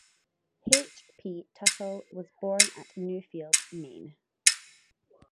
H. P. Tuttle was born at Newfield, Maine.